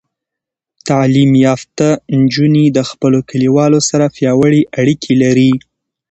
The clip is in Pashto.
تعلیم یافته نجونې د خپلو کلیوالو سره پیاوړې اړیکې لري.